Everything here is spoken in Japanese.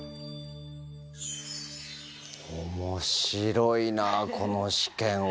面白いなこの試験は。